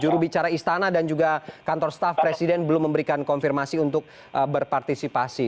juru bicara istana dan juga kantor staf presiden belum memberikan konfirmasi untuk berpartisipasi